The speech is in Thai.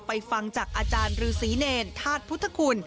ฟังจากอาจารย์ฤษีเนรธาตุพุทธคุณ